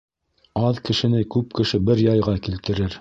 Аҙ кешене күп кеше бер яйға килтерер.